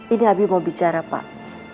ini habib mau bicara pak